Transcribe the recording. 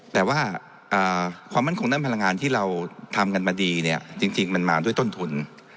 แต่ว่าความมั่นคงด้านพลังงานที่เราทำกันมาดีเนี่ยจริงมันมาด้วยต้นทุน